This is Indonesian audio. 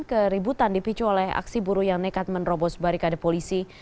keributan dipicu oleh aksi buruh yang nekat menerobos barikade polisi